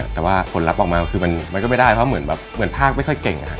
แต่ว่าผลลัพธ์ออกมาคือมันก็ไม่ได้เพราะเหมือนภาคไม่ค่อยเก่ง